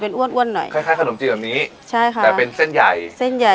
อ้วนอ้วนหน่อยคล้ายขนมจีนแบบนี้ใช่ค่ะแต่เป็นเส้นใหญ่เส้นใหญ่